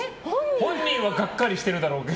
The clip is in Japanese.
本人はがっかりしてるだろうけど。